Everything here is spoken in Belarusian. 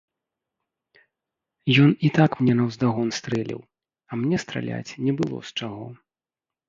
Ён і так мне наўздагон стрэліў, а мне страляць не было з чаго.